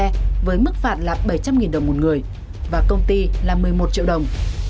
cơ quan chức năng đã lập bộ xe với mức phạt là bảy trăm linh đồng một người và công ty là một mươi một triệu đồng